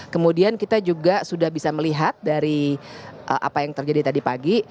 kemudian kita juga sudah bisa melihat dari apa yang terjadi tadi pagi